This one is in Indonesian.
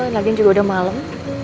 dan lagi juga udah malem